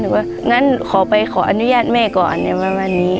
หนูว่างั้นขอไปขออนุญาตแม่ก่อนแบบนี้